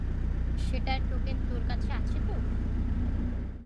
সেটার টোকেন তোর কাছে আছে তো?